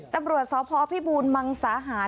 ตำรวจสอบพ่อพี่บูลมังสาหาร